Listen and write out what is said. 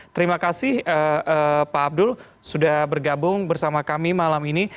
terima kasih pak abdul sudah bergabung bersama kami malam ini